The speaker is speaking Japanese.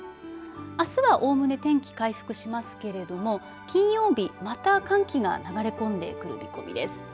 あすはおおむね天気回復しますけれども金曜日また寒気が流れ込んでくる見込みです。